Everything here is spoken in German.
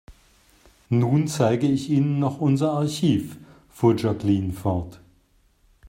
Nun zeige ich Ihnen noch unser Archiv, fuhr Jacqueline fort.